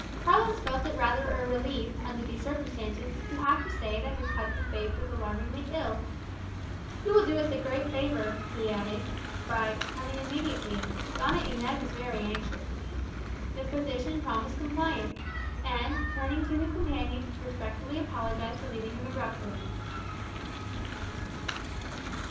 Carlos felt it rather a relief, under the circumstances, to have to say that his cousin's babe was alarmingly ill. "You will do us a great favour," he added, "by coming immediately. Doña Inez is very anxious." The physician promised compliance; and turning to his companion, respectfully apologized for leaving him abruptly.